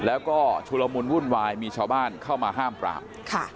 แล้วก็ชุลมุนวุ่นวายมีชาวบ้านเข้ามาห้ามปราม